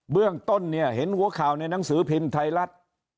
เรื่องต้นเนี่ยเห็นหัวข่าวในหนังสือพิมพ์ไทยรัฐ